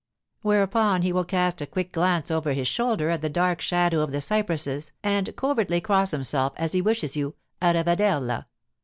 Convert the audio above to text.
Whereupon he will cast a quick glance over his shoulder at the dark shadow of the cypresses and covertly cross himself as he wishes you, 'A revederla.